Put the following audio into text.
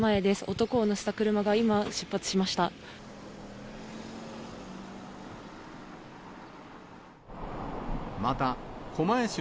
男を乗せた車が今、出発しました。